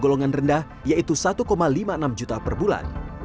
golongan rendah yaitu satu lima puluh enam juta per bulan